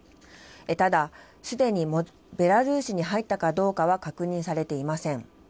ただ、すでにベラルーシに入ったかどうかは確認されていません。